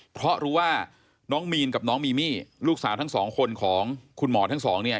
เพราะรู้ว่าน้องมีนกับน้องมีมี่ลูกสาวทั้งสองคนของคุณหมอทั้งสองเนี่ย